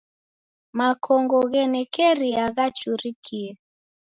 Makongo ghenekeriana ghachurikie.